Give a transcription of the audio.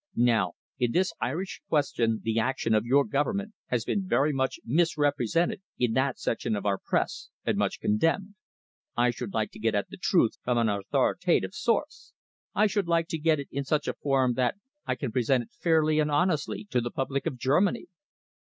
Now in this Irish question the action of your Government has been very much misrepresented in that section of our Press and much condemned. I should like to get at the truth from an authoritative source. I should like to get it in such a form that I can present it fairly and honestly to the public of Germany."